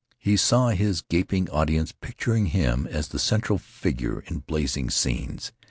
He saw his gaping audience picturing him as the central figure in blazing scenes.